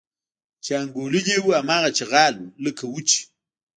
چې انګوللي یې وو هماغه چغال و لکه وو چې.